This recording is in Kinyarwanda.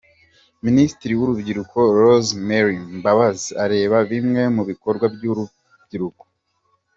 Minisitiri w'urubyiruko Rose Mary Mbabazi areba bimwe mu bikorwa by'urubyiruko .